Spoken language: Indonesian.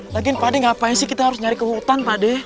lagi pak de ngapain sih kita harus nyari ke hutan pak de